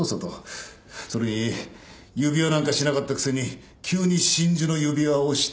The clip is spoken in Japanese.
それに指輪なんかしなかったくせに急に真珠の指輪をして。